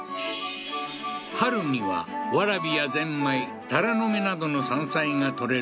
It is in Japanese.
春にはワラビやゼンマイタラの芽などの山菜が採れる